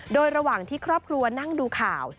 โดยระหว่างที่ครอบครัวนั่งดูข่าว